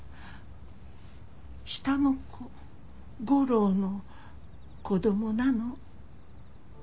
下の子吾良の子供なの？